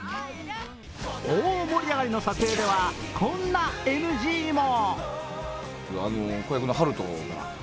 大盛り上がりの撮影では、こんなＮＧも。